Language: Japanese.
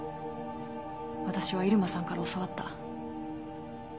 私は入間さんから教わった。